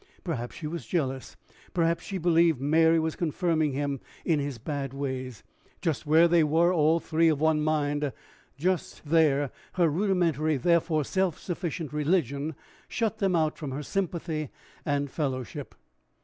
Perhaps she was jealous; perhaps she believed Mary was confirming him in his bad ways. Just where they were all three of one mind just there her rudimentary therefore self sufficient religion shut them out from her sympathy and fellowship.